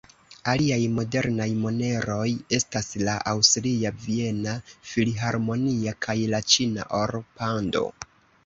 Aliaj modernaj moneroj estas la aŭstria Viena Filharmonia kaj la ĉina Or-Pando.